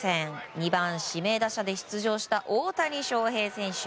２番指名打者で出場した大谷翔平選手。